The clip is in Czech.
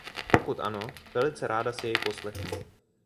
Pokud ano, velice ráda si jej poslechnu.